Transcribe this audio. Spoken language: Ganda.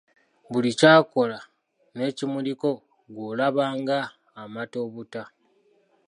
Buli ky’akola n’ekimuliko ggwe olaba ng’amata obuta.